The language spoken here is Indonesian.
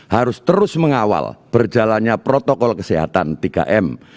harus terus mengawal berjalannya protokol kesehatan tiga m